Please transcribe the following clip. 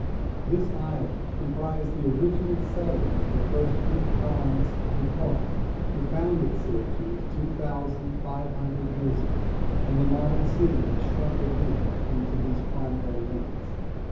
This island comprised the original settlement of the first Greek colonists from Corinth, who founded Syracuse two thousand five hundred years ago; and the modern city has shrunk again into these primary limits.